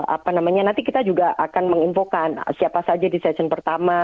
apa namanya nanti kita juga akan menginfokan siapa saja di session pertama